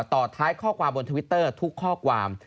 ต่อท้ายข้อความบนทวิตเตอร์ทุกข้อความ